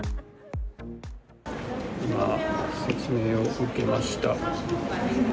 今、説明を受けました。